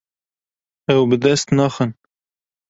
Ew bi dest naxin.